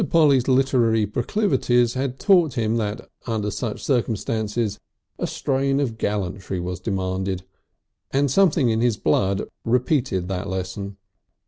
Polly's literary proclivities had taught him that under such circumstances a strain of gallantry was demanded. And something in his blood repeated that lesson.